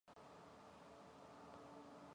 Согтуу төдийгүй уймарч түгшсэн байх аж.